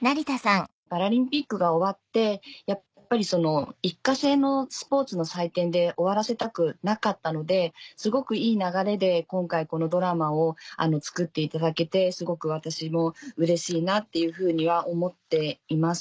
パラリンピックが終わってやっぱり一過性のスポーツの祭典で終わらせたくなかったのですごくいい流れで今回このドラマを作っていただけてすごく私もうれしいなっていうふうには思っています。